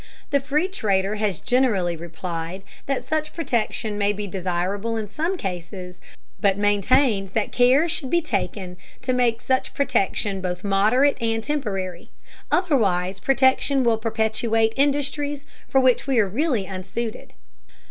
The free trader has generally replied that such protection may be desirable in some cases, but maintains that care should be taken to make such protection both moderate and temporary, otherwise protection will perpetuate industries for which we are really unsuited.